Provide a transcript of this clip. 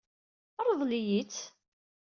Ṛḍel-iyi-tt.